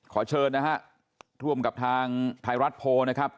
ขอเชิญนะฮะร่วมกับทางไทยรัฐโพลนะครับ